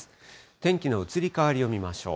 天気の移り変わりを見ましょう。